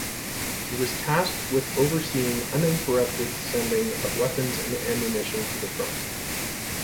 He was tasked with overseeing uninterrupted sending of weapons and ammunition to the front.